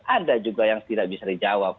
ada juga yang tidak bisa dijawab